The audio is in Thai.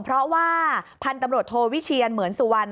เพราะว่าพันธุ์ตำรวจโทวิเชียนเหมือนสุวรรณ